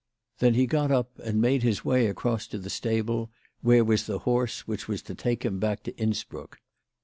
Then he got up and made his way across to the stable, where was the horse which was to take him back to Innsbruck.